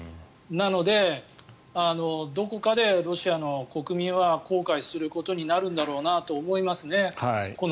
なので、どこかでロシアの国民は後悔することになるんだろうなと思いますね。